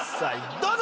どうぞ！